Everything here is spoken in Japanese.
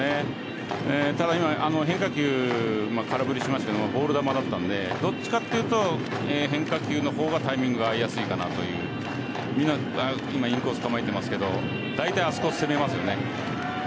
ただ今変化球空振りしましてボール球だったのでどっちかというと変化球の方がタイミングが合いやすいかなという今インコース構えてますけどだいたいあそこを攻めますよね。